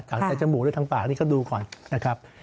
จากจมูกด้วยทั้งปากนี่เขาดูก่อนนะครับ